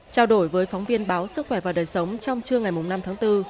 trao đổi với phóng viên báo sức khỏe và đời sống trong trưa ngày năm tháng bốn